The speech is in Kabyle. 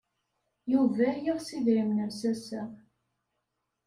Yuba yeɣs idrimen-nnes ass-a.